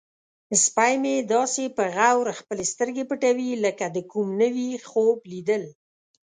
سپی مې داسې په غور خپلې سترګې پټوي لکه د کوم نوي خوب لیدل.